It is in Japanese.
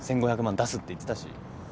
１、５００万出すって言ってたし。